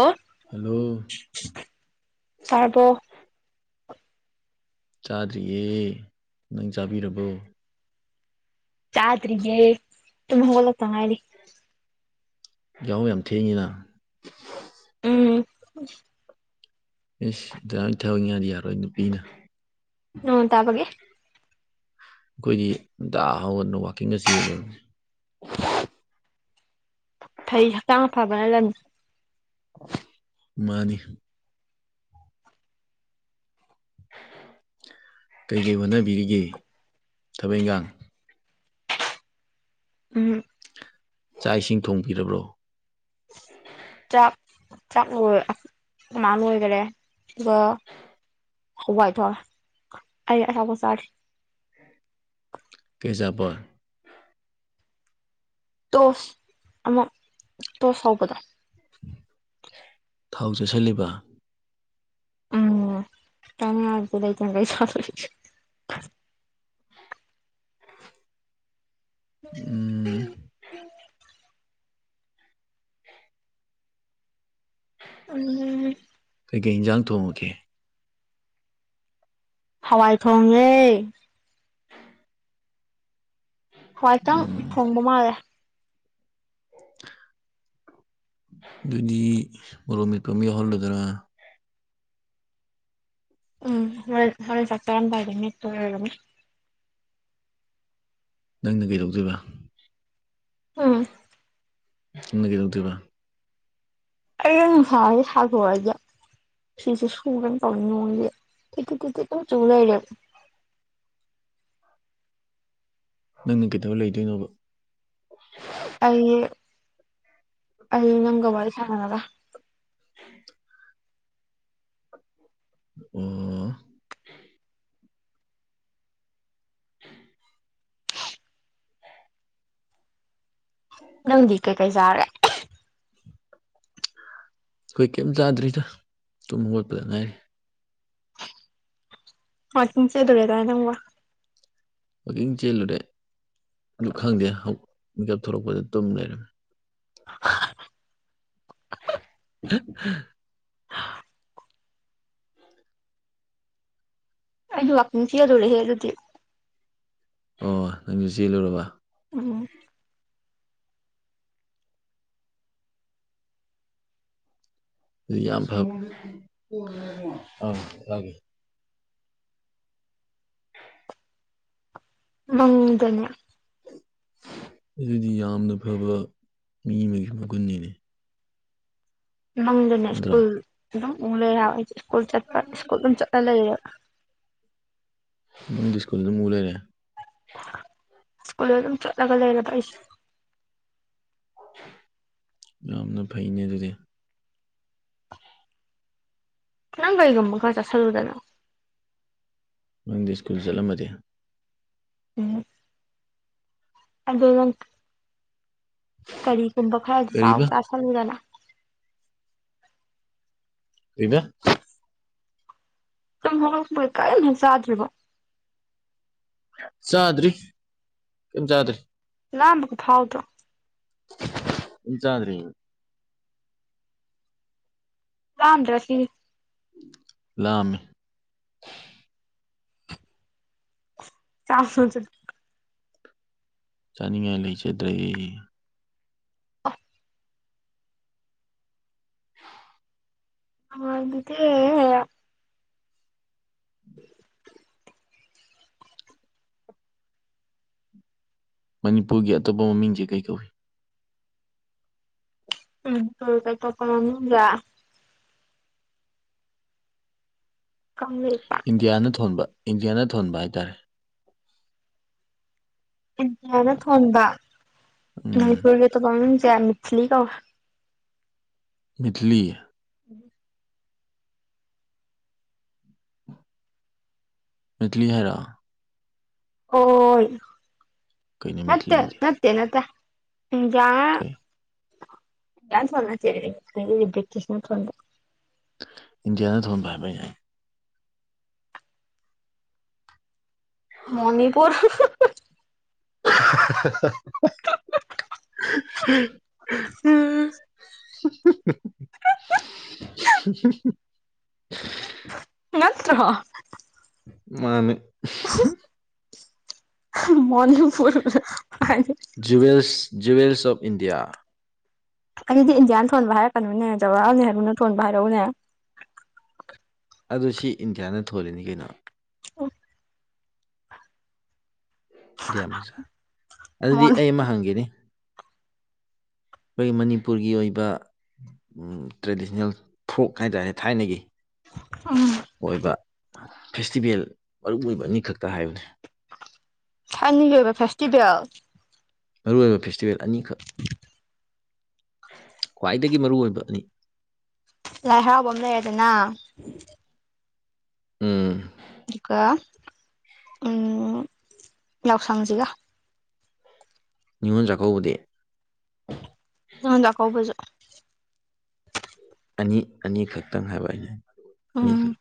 ꯍꯜꯂ‌ꫭ ꯍꯜꯂꯣ ꯆꯔꯥꯕꯣ ꯆꯥꯗ꯭ꯔꯤꯌꯦ ꯅꯪ ꯆꯥꯕꯤꯔꯕꯣ꯫ ꯆꯥꯗ꯭ꯔꯤꯌ‌ꯦ ꯇꯨꯝ ꯍꯧꯒꯠꯂꯛꯇ ꯉꯥꯏꯔꯤ ꯌꯥꯍꯧ ꯌꯥꯝ ꯊꯦꯡꯉꯤꯅ꯫ ꯎꯝ꯫ ꯏꯁ ꯏꯖꯥꯅ [unintelligible] ꯊꯥꯛꯉꯗꯤ ꯌꯥꯔꯣꯏ ꯅꯨꯄꯤꯅ꯫ ꯅꯣꯡ ꯇꯕꯒꯤ ꯑꯩꯈꯣꯏꯗꯤ ꯉꯟꯇꯥ ꯍꯧꯒꯠꯗꯅ ꯋꯥꯛꯀꯤꯡꯒ ꯆꯦꯜꯂꯨꯔꯕꯅꯤ꯫ [unintelligible] ꯐꯩ ꯍꯛꯆꯥꯡ ꯐꯕꯅ ꯂꯟꯅꯤ ꯃꯥꯅꯤ ꯀꯩꯀꯩ ꯍꯣꯠꯅꯕꯤꯔꯤꯒꯦ ꯊꯕꯛ ꯏꯪꯈꯥꯡ ꯎꯝ ꯆꯥꯛ ꯏꯁꯤꯡ ꯊꯣꯡꯕꯤꯔꯕ꯭ꯔꯣ꯫ ꯆꯥꯛ ꯆꯥꯛ ꯂꫭꯏ ꯑꯈꫭꯏꯃꯅꯥ ꯂꫭꯏꯈꯔꯦ ꯑꯗꯨꯒ꯫ ꯍꯋꯥꯏ ꯊꫭꯡꯉ‌ꯦ ꯑꯩ ꯑꯆꯥꯄꫭꯠ ꯆꯥꯔꯤ ꯀꯩ ꯑꯆꯥꯄꯣꯠ ꯇꯣꯁ ꯑꯃ ꯇꯣꯁ ꯍꯧꯕꯗꯣ꯫ ꯊꯥꯎ ꯆꯥꯁꯤꯜꯂꯤꯕ꯫ ꯎꯝ ꯆꯅꯤꯡꯉꯥꯏꯗꯤ ꯂꯩꯇꯅ ꯀꯔꯤ ꯆꯗꫭꯔꯤꯒ‌ꯦ [unintelligible] ꯎꯝ ꯎꯝ [unintelligible] ꯀꯩꯀꯩ ꯏꯟꯖꯥꯡ ꯊꯣꯡꯉꯒꯦ ꯍꯋꯥꯏ ꯊꯣꯡꯉ‌ꯦ꯫ ꯍꯋꯥꯏꯇꯪ ꯎꯝ ꯊꯣꯡꯕ ꯃꯥꯜꯂꯦ ꯑꯗꯨꯗꯤ ꯃꯣꯔꫭꯛ ꯃ‌ꯦꯠꯄ ꯑꯃ ꯌꯥꯎꯍꯜꯂꯨꯗꯅ꯫ ꯎꯝ ꯍꯣꯔꯦꯟ ꯍꯣꯔꯦꯟ ꯆꯥꯛ ꯆꯥꯔꯝꯗꯥꯏꯗ ꯃꯦꯠꯇꫭꯏ ꯑꯣꯏꯔꯝꯅꯤ꯫ ꯅꯪꯅ ꯀꯩꯗꯧꯗꯣꯏꯕꯥ ꯎꯝ ꯅꯪꯅ ꯀꯗꯧꯗꯣꯏꯕ ꯑꯩꯅꯨꯡ [unintelligible] ꯍꯥꯎ ꯁꯥꯛꯔꯗ꯫ ꯐꯤꯁꯦ ꯁꯨꯒ‌ꯦꯅ ꯇꯧꯅ‌ꯦ ꯅꫭꯡꯖ‌ꯦ ꯇꯤꯠ ꯇꯤꯠ ꯇꯤꯠ ꯑꯗꯨꯝ ꯆꯨꯂꯩꯔ‌ꯦꯕ꯫ ꯅꯪꯅ ꯀꯩꯗꯧꯔ ꯂꯩꯗꯣꯏꯅꯣꯕ ꯑꯩ ꯑꯩ ꯅꯪꯒ ꯋꯥꯔꯤ ꯁꯥꯟꯅꯔꯒ [unintelligible] ꯎꯝ꯫ ꯅꯪꯗꯤ ꯀꯩꯀꯩ ꯆꯥꯔꯦ ꯑꯩꯈꯣꯏ ꯀꯩꯝ ꯆꯥꯗ꯭ꯔꯤꯗ ꯇꯨꯝ ꯈꯣꯠꯄꯗ ꯉꯥꯏꯔꯤ ꯋꯥꯀꯤꯡ ꯆꯦꯜꯂꯨꯔꯦꯗꯥꯏ ꯅꯪꯕꯣ ꯋꯥꯛꯀꯤꯡ ꯆꯦꯜꯂꯨꯔꯦ ꯑꯗꯨ ꯈꯪꯗꯦ ꯃꯤꯀꯞ ꯊꯣꯛꯂꯛꯄꯗ ꯇꯨꯝ ꯂꯩꯔꯝꯃꯦ [unintelligible] [unintelligible] ꯍ ꯑꯩꯗꯨ ꯋꯥꯥꯛ ꯆꯦꯜꯂꯨꯔꯦꯍꯦ ꯑꯗꯨꯗꯤ ꯑꯣ ꯅꯪꯖꯨ ꯆꯦꯜꯂꯨꯔꯕ ꯎꯝ ꯑꯗꯨ ꯌꯥꯝ ꯐꯕ ꯑꯒꯦ [unintelligible] ꯃꯪꯗꯅꯦ ꯑꯗꯨꯗꯤ ꯌꯥꯝꯅ ꯐꯕ ꯃꯤ ꯑꯃꯒꯤ ꯃꯒꯨꯟꯅꯤꯅꯦ ꯃꯪꯗꯅꯦ ꯅꯠꯇ꯭ꯔꯣ ꯏꯁ꯭ꯀꯨꯜ ꯑꯗꯨꯝ ꯎꯂꯩꯔꯦ ꯍꯥꯏꯕ ꯑꯩꯖꯦ ꯏꯁꯀꯨꯜ ꯆꯠꯄ ꯏꯁꯀꯨꯜꯗꯨꯝ ꯆꯠꯂ ꯂꯩꯔꯦꯕ ꯃꯪꯗ ꯏꯁ꯭ꯀꯨꯜꯗꯨꯝ ꯎꯔꯩꯂꯦ ꯏꯁꯀꯨꯜ ꯑꯗꯨꯝ ꯆꯠꯂꯒꯥ ꯂꯩꯔꯕ ꯑꯩꯁꯤ ꯌꯥꯝꯅ ꯐꯩꯅꯦ ꯑꯗꯨꯗꯤ ꯅꯪ ꯀꯔꯤꯒꯨꯝꯕ ꯈꯔ ꯆꯠꯁꯤꯜꯂꯨꯗꯅ ꯃꯪꯗ ꯏꯁ꯭ꯀꯨꯜ ꯆꯠꯂꯝꯃꯗꯤ ꯎꯝ ꯑꯗꯨ ꯅꯪ ꯀꯔꯤꯒꯨꯝꯕ ꯈꯔ ꯆꯥꯎ ꯀꯔꯤꯕ ꯆꯥꯁꯟꯂꯨꯗꯅ ꯀꯩꯕꯥ ꯇꯨꯝꯍꯧꯒꯠ ꯂꯛꯄꯗꯩ ꯀꯔꯤꯝ ꯍꯦꯛ ꯆꯥꯗꯔꯤꯕꫭ ꯆꯥꯗ꯭ꯔꯤ ꯀꯩꯝ ꯆꯥꯗ꯭ꯔꯤ ꯂꯥꯝꯕꯒ ꯐꯥꯎꯗꯔꫭ ꯀꯩꯝ ꯆꯥꯗ꯭ꯔꯤ ꯂꯥꯝꯗꯔ ꯁꯤꯅꯤ ꯂꯥꯝꯃꯦ ꯆꯁ ꯆ [unintelligible] ꯆꯥꯅꯤꯡꯉꯥꯏ ꯂꯩꯖꯗ꯭ꯔꯦ ꯑꯥ ꯑꯗꯨꯗꯤ ꯃꯅꯤꯄꯨꯔꯒꯤ ꯑꯇꯣꯞꯄ ꯃꯃꯤꯡꯖꯤ ꯀꯩ ꯀꯧꯋꯤ ꯎꯝ [unintelligible] ꯀꯪꯂꯩꯄꯥꯛ ꯏꯟꯗꯤꯌꯥꯅ ꯊꯣꯟꯕ ꯏꯟꯗꯤꯌꯥꯅ ꯊꯣꯟꯕ ꯍꯥꯏꯇꯥꯔꯦ ꯏꯟꯗꯤꯌꯥꯅ ꯊꯣꯟꯕ ꯎꯝ ꯃꯅꯤꯄꯨꯔꯒꯤ ꯑꯇꯣꯞꯄ ꯃꯃꯤꯡꯁꯦ ꯃꯤꯠꯊꯂꯤ ꯀꯧꯋꯦ ꯃꯤꯠꯊꯂꯤ ꯃꯤꯠꯊꯂꯤ ꯍꯥꯏꯔꫭ ꯑꯣꯏ ꯀꯩꯅꯣ ꯅꯠꯇꯦ ꯃꯤꯠꯂꯤꯗꯤ ꯅꯠꯇꯦ ꯅꯠꯇꯦ ꯏꯟꯗꯤꯌꯥꯅ ꯀꯩ ꯏꯟꯗꯤꯌꯥꯅ ꯊꫭꯟꯕ ꯅꯠꯇꯦ ꯑꯗꯨꯗꯤ ꯕꯤꯔꯇꯤꯁꯅ ꯊꫭꯟꯕ ꯏꯟꯗꯤꯌꯥꯅ ꯊꯣꯟꯕ ꯍꯥꯏꯕ ꯑꯩꯍꯥꯏ ꯃꯅꯤꯄꯨꯔ [unintelligible] [unintelligible] [unintelligible] ꯅꯠꯇ꯭ꯔꯣ ꯃꯥꯅꯦ ꯃꫭꯅꯤꯄꯨꯔꯅ ꯍꯥꯏꯔꯦ ꯖꯨꯋꯦꯜꯁ ꯖꯨꯋꯦꯜꯁ ꯑꯣꯐ ꯏꯟꯗꯤꯌꯥ ꯑꯩꯗꯤ ꯏꯟꯗꯤꯌꯥꯅ ꯊꯣꯟꯕ ꯍꯥꯏꯔꯛꯀꯅꯨꯅꯦ ꯖꯋꯥꯍꯥꯜ ꯅꯦꯍꯦꯔꯨꯅ ꯊꯣꯟꯕ ꯍꯥꯏꯔꯧꯅꯦ ꯑꯗꯨ ꯁꯤ ꯏꯟꯗꯤꯌꯥꯅ ꯊꯣꯜꯂꯤꯅꯤ ꯀꯩꯅꯣ ꯑꯣ꯫ ꯗꯤꯌꯥ ꯃꯆꯥꯥ ꯑꯗꯨꯗꯤ ꯃꯣꯔꯅꯤꯡ ꯑꯩ ꯑꯃ ꯍꯪꯒꯦꯅꯤ꯫ ꯑꯩꯈꯣꯏꯒꯤ ꯃꯅꯤꯄꯨꯔꯒꯤ ꯑꯣꯏꯕ ꯇ꯭ꯔꯦꯗꯤꯁꯅꯦꯜ ꯐ꯭ꯔꯣꯛ ꯍꯥꯏꯇꯥꯔꯦ ꯊꯥꯏꯅꯒꯤ ꯎꯝ꯫ ꯑꯣꯏꯕ ꯐꯦꯁꯇꯤꯚꯦꯜ ꯃꯔꯨ ꯑꯣꯏꯕ ꯑꯅꯤꯈꯛꯇ ꯍꯥꯏꯌꯨꯅꯤ꯫ ꯁꯅꯤꯡꯒꯤ ꯑꯣꯏꯕ ꯐꯦꯁꯇꯤꯚꯦꯜ ꯃꯔꯨꯑꯣꯏꯕ ꯐꯦꯁꯇꯤꯚꯦꯜ ꯑꯅꯤꯈꯛ ꯈ꯭ꯋꯥꯏꯗꯒꯤ ꯃꯔꯨꯑꯣꯏꯕ ꯑꯅꯤ꯫ ꯂꯥꯏ ꯍꯔꯥꯎꯕ ꯑꯃ ꯂꯩꯔꯦꯗꯅ ꯎꯝ꯫ ꯑꯗꯨꯒ ꯌꯥꯎꯁꯪꯁꯤꯒ ꯅꯤꯡꯉꯣꯜ ꯆꯥꯛꯀꯧꯕꯗꯤ ꯅ ꯂ ꯀꯣꯕꯁꯨ ꯑꯅꯤ ꯑꯅꯤꯈꯛꯇꯪ ꯍꯥꯏꯕ ꯑꯩꯅ꯫ ꯑꯅꯤꯈꯛ ꯎꯝ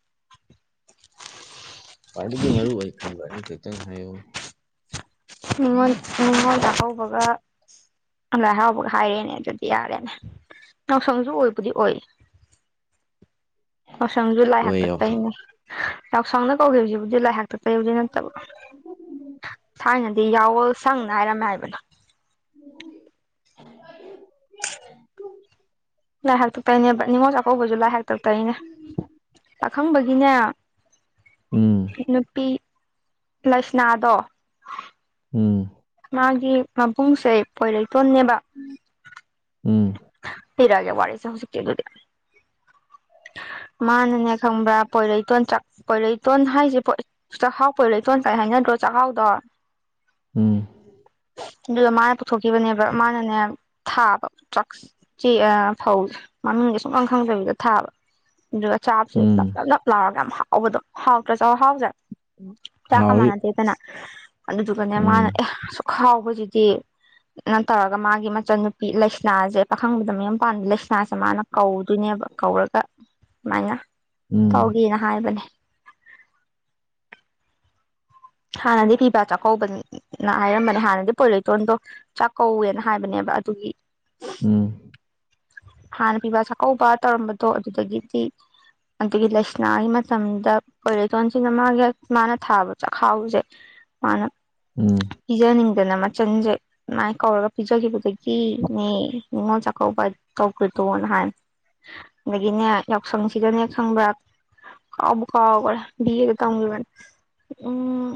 ꯈ꯭ꯋꯥꯗꯒꯤ ꯃꯔꯨ ꯑꯣꯏ ꯈꯟꯕꯅꯤ ꯈꯇꯪ ꯍꯥꯏꯌꯨ ꯅꯤꯉꯣꯟ ꯅꯤꯉꯣꯟ ꯆꯀꯧꯕꯒ ꯂꯥꯏ ꯍꯥꯎꯕꯒ ꯍꯥꯏꯔꯦꯅꯦ ꯑꯗꯨꯗꯤ ꯌꯥꯔꯦꯅꯦ ꯌꯥꯅꯥꯎꯁꯪꯁꯨ ꯑꯣꯏꯕꯨꯗꯤ ꯑꯣꯏ ꯌꯥꯎꯁꯪꯁꯨ ꯂꯥꯏ ꯑꯣꯏ ꯌꯥꯎꯁꯪ ꯍꯥꯛꯇꯛꯇꯩꯅꯦ ꯌꯥꯎꯁꯪꯅ ꯀꯧꯈꯤꯕ ꯍꯧꯁꯤꯕꯨꯗꯤ ꯂꯥꯏ ꯍꯥꯛꯇꯛ ꯇꯩ ꯍꯧꯗꯤ ꯅꯠꯇꯕ ꯊꯥꯏꯅꯗꯤ ꯌꯥꯋꯜ ꯁꯪꯅ ꯍꯥꯏꯔꯝꯃꯦ ꯍꯥꯏꯕꯅꯣ [unintelligible] ꯂꯥꯏ ꯍꯥꯛꯇꯛꯇꯒꯤꯅꯦ ꯅꯤꯉꯣꯜ ꯆꯥꯛꯀꯧꯕꯁꯨ ꯂꯥꯏ ꯍꯥꯛꯇꯛꯇꯒꯤꯅꯦ ꯆꯥꯛꯈꯪꯕꯒꯤꯅꯦ ꯎꯝ ꯅꯨꯄꯤ ꯂꯛꯁꯅꯥꯗꯣ ꯎꯝ꯫ ꯃꯥꯒꯤ ꯃꯕꯨꯡꯁꯦ ꯄꯣꯏꯔꯩꯇꯣꯟꯅꯦꯕ ꯎꯝ ꯐꯤꯔꯒꯦ ꯋꯥ ꯋꯥꯔꯤꯁ ꯍꯁꯨ ꯀꯦ ꯑꯗꯨꯗꯤ ꯃꯥꯅꯅꯦ ꯈꯪꯕ꯭ꯔꯥ ꯄꯣꯏꯔꯩꯇꯣꯟ ꯄꯣꯏꯔꯩꯇꯣꯟ ꯍꯥꯏꯁꯤ ꯆꯥꯛꯈꯥꯎ ꯀꯣꯏꯔ ꯏꯆꯣꯟꯅ ꯀꯥꯏ ꯍꯥꯏꯅꯗ꯭ꯔꯣ ꯆꯥꯛꯈꯥꯎꯗꯣ ꯎꯝ ꯑꯗꯨꯗ ꯃꯥꯅ ꯄꯨꯊꯣꯛꯈꯤꯕꯅꯦꯕ ꯃꯥꯅꯅꯦ ꯊꯥꯕ ꯗ꯭ꯔꯛꯁ ꯆꯦꯛ ꯐꯧ ꯃꯅꯨꯡꯒꯤ ꯁꯨꯡꯂꯪ ꯈꯪꯗꯕꯤꯗ ꯊꯥꯕ ꯑꯗꯨꯒ ꯆꯥꯕꯁꯨ ꯂꯞ ꯎꯝ ꯂꯞ ꯂꯞ ꯂꯥꯎꯔꯒ ꯌꯥꯝ ꯍꯥꯎꯕꯗꯣ ꯍꯥꯎꯇ꯭ꯔ ꯆꯥꯎ ꯍꯥꯎꯖꯔꯦ ꯆꯥꯛꯀ ꯍꯥꯎꯋꯤ ꯃꯥꯟꯅꯗꯦꯗꯅ ꯑꯗꯨꯗꯨꯒꯅꯦ ꯃꯥꯅ ꯎꯝ ꯑꯦ ꯁ ꯈꯥꯎꯖꯤꯗꯤ ꯅꯠꯇꯧꯔꯒ ꯃꯥꯒꯤ ꯃꯆꯟꯅꯨꯄꯤ ꯂꯥꯏꯁꯅꯥꯁꯦ ꯄꯥꯈꯪꯕꯗ ꯃꯌꯨ ꯄꯥꯝꯗꯦ ꯂꯩꯁꯅꯥꯁꯦ ꯃꯥꯅ ꯀꯧꯗꯣꯏꯅꯦꯕ ꯀꯧꯔꯒ ꯁꯃꯥꯏꯅ ꯎꯝ ꯇꯧꯒꯦꯅ ꯍꯥꯏꯕꯅꯦ ꯍꯥꯟꯅꯗꯤ ꯐꯤꯕ ꯆꯥꯛꯀꯧꯕꯅ ꯍꯥꯏꯔꯝꯕꯅꯦ ꯍꯥꯟꯅꯗꯤ ꯄꯣꯂꯩꯇꯣꯟꯗꯣ ꯆꯥꯛꯀꯧꯋꯦꯅ ꯍꯥꯏꯕꯅꯦꯕ ꯑꯗꯨꯒꯤ ꯎꯝ ꯍꯥꯟꯅ ꯄꯤꯕ ꯆꯥꯛꯀꯧꯕ ꯇꯧꯔꯝꯕꯗꯣ ꯑꯗꯨꯗꯒꯤꯗꯤ ꯑꯗꯒꯤ ꯂꯥꯏꯁꯅꯥꯒꯤ ꯃꯇꯝꯗ ꯄꯣꯏꯔꯦꯊꯣꯟꯁꯤꯅ ꯃꯥꯒꯤ ꯃꯥꯅ ꯊꯥꯕ ꯆꯥꯛꯈꯥꯎꯁꯦ ꯃꯥꯅ ꯎꯝ ꯄꯤꯖꯅꯤꯡꯗꯅ ꯃꯆꯟꯖꯩ ꯉꯥꯏ ꯀꯧꯔꯒ ꯄꯤꯖꯈꯤꯕꯗꯗꯒꯤꯅꯦ ꯅꯤꯉꯣꯜ ꯆꯥꯛ ꯀꯧꯕ ꯇꯧꯈ꯭ꯔꯦꯗꯣꯅ ꯍꯥꯏ ꯑꯗꯒꯤꯅꯦ ꯌꯥꯎꯁꯪꯁꯤꯗꯅꯦ ꯈꯪꯕ꯭ꯔꯥ ꯀꯥꯎꯕꯨ ꯀꯥꯎꯒ꯭ꯔꯦ ꯕꯤ ꯑꯦ ꯗ ꯇꯝꯒꯤꯕꯅꯤ ꯎꯝ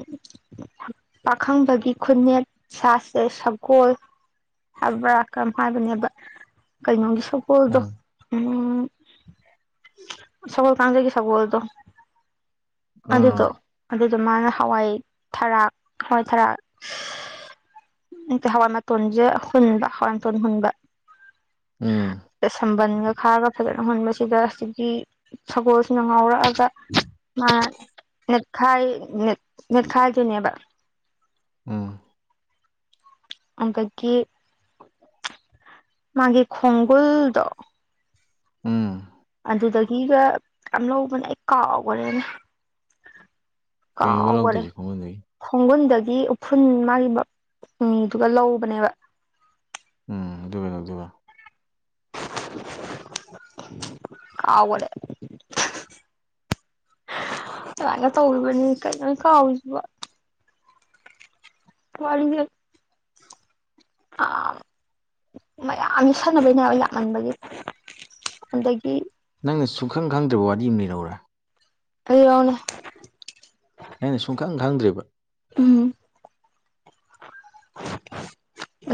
ꯄꯥꯈꯪꯕꯒꯤ ꯈꯨꯅꯦꯛ ꯁꯥ ꯁꯦ ꯁꯒꯣꯜ ꯍꯥꯏꯕ꯭ꯔꯥ ꯀꯔꯝ ꯍꯥꯏꯕꯅꯦꯕ ꯀꯩꯅꯣꯒꯤ ꯁꯒꯣꯜꯗꯣ ꯎꯝ ꯎꯝ ꯁꯒꯣ ꯀꯥꯟꯖꯩꯒꯤ ꯁꯒꯣꯜꯗꯣ ꯑꯗꯨꯗꯣ ꯑꯥ ꯑꯗꯨꯗꯣ ꯃꯥꯅ ꯍꯋꯥꯏ ꯊꯔꯥꯛ ꯍꯋꯥꯏ ꯊꯔꯥꯛ ꯑ ꯍꯋꯥꯏ ꯃꯇꯣꯟꯁꯦ ꯍꯨꯟꯕ ꯍꯋꯥꯏ ꯃꯇꯣꯟ ꯍꯨꯟꯕ ꯎꯝ ꯑꯁꯝꯕꯟꯒ ꯈꯥꯔꯒ ꯐꯖꯠꯅꯍꯟꯕꯁꯤꯗ ꯍꯧꯖꯤꯀꯤ ꯁꯒꯣꯜꯁꯤꯅ ꯉꯥꯎꯔꯛꯑꯒ ꯅꯦꯠ ꯈꯥꯏ ꯅꯦꯠ ꯈꯥꯏ ꯗꫭꯏꯅꯦꯕ ꯎꯝ [inaudible] [unintelligible] ꯃꯥꯒꯤ ꯈꯣꯡꯒꯨꯜꯗꯣ ꯎꯝ ꯑꯗꯨꯗꯒꯤꯒ ꯂꯧꯕꯅꯦ ꯑꯩ ꯀꯥꯎꯈꯔꯦꯅꯦ ꯀꯩꯅꯣꯕ ꯀꯥꯎꯒꯔꯦ ꯂꯧꯗꯣꯏꯁꯦ ꯈꯣꯡꯒꯨꯟꯗꯒꯤ ꯈꯣꯡꯒꯨꯟꯗꯒꯤ ꯎꯐꯨꯟ ꯃꯥꯒꯤꯗꯨꯒ ꯂꯧꯕꯅꯦꯕ ꯎꯝ ꯑꯗꯨꯒ ꯀꯩꯗꯧꯗꫭꯏꯕ ꯀꯥꯎꯈꯔꯦ ꯀꯃꯥꯏꯅ ꯇꯧꯔꯤꯕꯅꯤ ꯀꯩꯅꯪ ꯀꯥꯎꯒꯔꯤꯖꯤꯕꫭ [inaudible] [unintelligible] ꯃꯌꯥꯝꯁ ꯁꯥꯟꯅꯕꯩꯅꯦ ꯂꯥꯛꯃꯟꯕꯒꯤ ꯑꯗꯒꯤ ꯅꯪꯅ ꯁꯨꯡꯈꯪ ꯈꯪꯗ꯭ꯔꯤꯕ ꯋꯥꯔꯤ ꯑꯃ ꯂꯤꯔꯧꯔꯥ ꯂꯤꯔꯧꯅꯦ ꯑꯩꯅ ꯁꯨꯡꯈꯪ ꯈꯪꯗ꯭ꯔꯤꯕ ꯎꯝ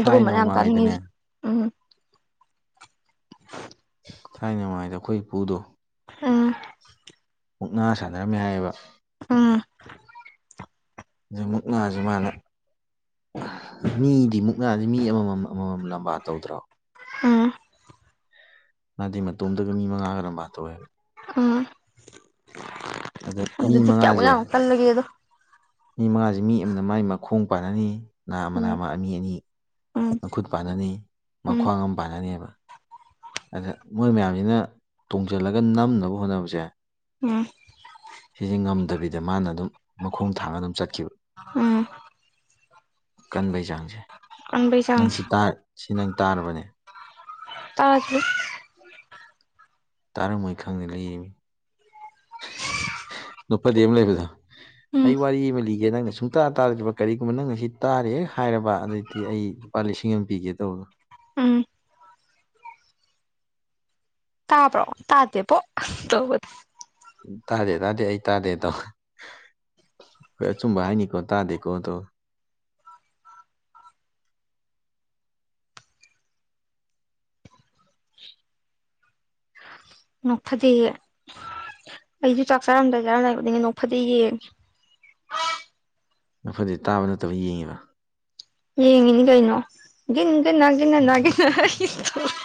ꯊꯥꯏꯅ ꯌꯥꯝ ꯃꯃꯥꯡꯉꯩꯗꯅꯦ ꯇꯅꯤꯡꯉꯤꯁꯤ ꯎꯝ [unintelligible] ꯊꯥꯏꯅꯉꯥꯏꯗ ꯑꯩꯈꯣꯏ ꯏꯄꯨꯗꯣ ꯎꯨꯝ ꯃꯨꯛꯅꯥ ꯁꯥꯟꯅꯔꯝꯃꯦ ꯍꯥꯏꯌꯦꯕ ꯎꯝ ꯑ ꯃꯨꯛꯅꯥꯁꯤ ꯃꯥꯅ ꯃꯤꯗꯤ ꯃꯨꯛꯅꯥꯗꯤ ꯃꯤ ꯑꯃꯃꯝ ꯑꯃꯃꯝ ꯂꯝꯕꯥ ꯇꯧꯗ꯭ꯔꯣ ꯎꯝ ꯃꯥꯗꯤ ꯃꯇꫭꯝꯇꯒ ꯃꯤ ꯃꯉꯥꯒ ꯂꯝꯕꯥ ꯇꯧꯋꯦꯕ ꯎꯝ ꯑꯗ ꯃꯤ ꯑꯗꯨꯗꯤ ꯀꯌꯥꯃꯨꯛ ꯃꯉꯥꯁꯦ ꯌꯥꯝꯅꯥ ꯀꯜꯂꯒꯦꯗꯣ ꯃꯤ ꯃꯉꯥꯁꯤ ꯃꯤ ꯑꯃꯅ ꯃꯥꯏ ꯃꯈꯣꯡ ꯄꯥꯟꯅꯅꯤ ꯅꯥꯝꯃ ꯎꯝ ꯅꯝꯃ ꯑꯃ ꯑꯅꯤ ꯑꯅꯤ ꯎꯝ ꯃꯈꯨꯠ ꯄꯥꯟꯅꯅꯤ ꯎꯝ ꯃꯈ꯭ꯋꯥꯡ ꯑꯃ ꯄꯥꯟꯅꯅꯤꯕ ꯑꯗ ꯃꯣꯏ ꯃꯌꯥꯝꯁꯤꯅ ꯇꯣꯡꯁꯤꯜꯂꯒ ꯅꯝꯅꯕ ꯍꯣꯠꯅꯕꯁꯦ ꯎꯝ ꯁꯤꯁꯦ ꯉꯝꯗꯕꯤꯗ ꯃꯥꯅ ꯑꯗꯨꯝ ꯃꯈꯣꯡ ꯊꯥꯡꯉ ꯑꯗꯨꯝ ꯆꯠꯈꯤꯕ ꯎꯝ ꯀꯟꯕꯒꯤ ꯆꯥꯡꯁꯦ ꯀꯟꯕꯩ ꯅꯪ ꯆꯥꯡꯁꯤ ꯁꯤ ꯁꯤ ꯅꯪ ꯇꯥꯔꯕꯅꯦ ꯇꯥꯗ꯭ꯔꯤ ꯇꯥꯔꯝꯃꫭꯏ ꯈꯪꯗꯅ ꯂꯩꯔꯤꯝꯃꯤ ꯅꫭꯛꯐꯗꯦ ꯑꯃ ꯂꯩꯕꯗꯣ ꯎꯝ ꯑꯩ ꯋꯥꯔꯤ ꯑꯃ ꯂꯤꯒꯦ ꯒꯦ ꯅꯪꯅ ꯁꯨꯡꯇꯥ ꯇꯥꯗꯔꯤꯕ ꯀꯔꯤꯒꯨꯝꯕ ꯅꯪꯅ ꯁꯤ ꯇꯥꯔꯦꯍꯦꯛ ꯍꯥꯏꯔꯕ ꯑꯗꯨꯗꯩꯗꯤ ꯑꯩ ꯂꯨꯄꯥ ꯂꯤꯁꯤꯡ ꯑꯃ ꯄꯤꯒꯦ ꯇꯧꯕꯗꯣ ꯎꯝ ꯇꯥꯕ꯭ꯔꯣ ꯇꯥꯇꯦ ꯄꯣ ꯇꯕꯗꫭ ꯎ ꯇꯥꯗꯦ ꯇꯥꯗꯦ ꯑꯩ ꯇꯥꯗꯦꯗꯣ ꯍꯣꯏ ꯑꯆꯨꯝꯕ ꯍꯥꯏꯅꯤꯀꯣ ꯇꯥꯗꯦꯀꯣꯗꯣ ꯅꯣꯛꯐꯗꯦꯒꯤ ꯑꯩꯁꯨ ꯆꯥꯛ ꯆꯥꯔꯝꯗꯥꯏ ꯆꯔꯝꯗꯥꯏ ꯈꯨꯗꯤꯡꯒꯤ ꯅꯣꯛꯐꯗꯦ ꯌꯦꯡꯉꯤ ꯅꯣꯛꯐꯗꯦ ꯇꯥꯕ ꯅꯠꯇꯕ ꯌꯦꯡꯉꯤꯕ ꯌꯦꯡꯉꯤꯅꯤ ꯀꯩꯅꯣ [unintelligible]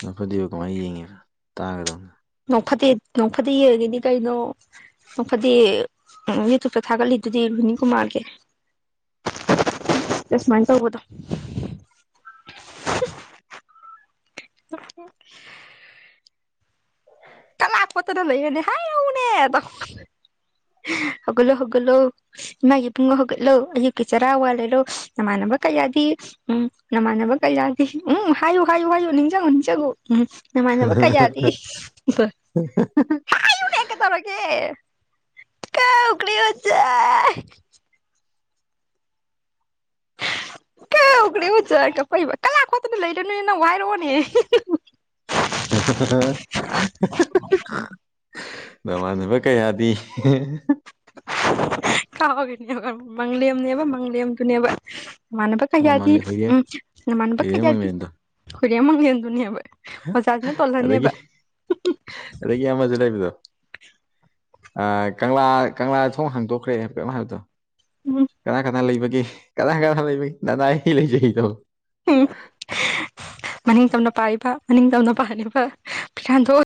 ꯅꯣꯛꯐꯗꯦꯕꯨ ꯀꯃꯥꯏꯅ ꯌꯦꯡꯉꯤꯅꯣ ꯇꯥꯒꯗꯝꯅꯤ ꯅꯣꯛꯐꯠꯇꯦ ꯅꯣꯛ ꯐꯠꯇꯦ ꯌꯦꯡꯉꯤꯅꯤ ꯀꯩꯅꯣ ꯅꯣꯛꯐꯗꯤ ꯌꯨꯇꯨꯕꯇ ꯊꯥꯒꯠꯂꯤꯗꯨꯗꯤ ꯔꯨꯍꯤꯅꯤꯀꯨꯃꯥꯔꯒꯤ ꯁꯨꯃꯥꯏꯅ ꯇꯧꯕꯗꯣ [unintelligible] ꯄꯠꯇꯗ ꯂꯣꯏꯔꯦꯅꯦ ꯍꯥꯏꯔꯧꯅꯦ ꯇꯣ ꯍꯧꯒꯠꯂꯣ ꯍꯧꯒꯠꯂꯣ ꯏꯃꯥꯒꯤ ꯏꯕꯨꯡꯉꯣ ꯍꯧꯒꯠꯂꯣ ꯑꯌꯨꯛꯀꯤ ꯆꯔꯥ ꯋꯥꯂꯔꯣ ꯅꯃꯥꯟꯅꯕ ꯀꯌꯥꯗꯤ ꯎꯝ ꯅꯃꯥꯟꯅꯕ ꯀꯩꯌꯥꯗꯤ ꯎꯝ ꯍꯥꯏꯌꯨ ꯍꯥꯏꯌꯨ ꯍꯥꯏꯌꯨ ꯅꯤꯡꯁꯤꯡꯉꯨ ꯅꯤꯡꯁꯤꯡꯉꯨ ꯎꯝ ꯅꯃꯥꯅꯕ ꯀꯌꯥꯗꯤ [unintelligible] ꯍꯥꯏꯌꯨꯅꯦ ꯀꯩꯗꯧꯔꯒꯦ ꯀꯧꯒ꯭ꯔꯦ ꯑꯣꯖꯥ ꯀꯥꯎꯒꯔꯦ ꯑꯣꯖꯥ ꯀꯄꯏꯕ ꯀꯂꯥꯞ ꯍꯣꯠꯇꯅ ꯂꯩꯔꯅꯨꯅꯦ ꯅꯡꯕꯨ ꯍꯥꯢꯔꯛꯑꯣꯅꯦ [unintelligible] [unintelligible] ꯅꯃꯥꯟꯅꯕ ꯀꯌꯥꯗꯤ ꯀꯥꯎꯔꯤꯅꯦꯕ ꯃꯡꯂꯦꯝꯅꯦꯕ ꯃꯥꯡꯂꯦꯝꯗꯨꯅꯦꯕ ꯅꯃꯥꯟꯅꯕ ꯀꯌꯥꯗꯤ ꯃꯃꯥꯡꯂꯦꯟ ꯍꯨꯏꯔꯦ ꯎꯝ ꯅꯃꯥꯟꯅꯕ ꯍꯨꯏꯔꯦꯟ ꯀꯌꯥꯗꯤ ꯃꯪꯂꯦꯟꯗꯣ ꯍꯨꯢꯔꯦꯝ ꯃꯡꯂꯦꯝꯗꯨꯅꯦꯕ ꯑꯗꯒꯤ [unintelligible] ꯑꯗꯒꯤ ꯑꯃꯁꯨ ꯂꯩꯕꯗꯣ ꯑꯥ ꯀꯪꯂꯥ ꯀꯪꯂꯥ ꯊꯣꯡ ꯍꯥꯡꯗꯣꯛꯈ꯭ꯔꯦ ꯍꯥꯏꯕ꯭ꯔꯥ ꯀꯩꯅꯣꯝ ꯍꯥꯏꯕꯗꯣ ꯎꯝ ꯀꯅꯥ ꯀꯅꯥ ꯂꯩꯕꯒꯦ ꯀꯅꯥ ꯀꯅꯥ ꯂꯩꯕꯒꯦ ꯅꯅꯥꯢ ꯑꯩ ꯂꯩꯖꯩꯗꯣ ꯎꯝ ꯃꯅꯤꯡ ꯇꯝꯅ ꯄꯥꯢꯔꯤꯕ ꯃꯅꯤꯡ ꯇꯝꯅ ꯄꯥꯢꯔꯤꯕ ꯐꯤꯔꯥꯟꯗꯣ